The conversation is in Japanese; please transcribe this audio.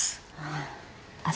ああ。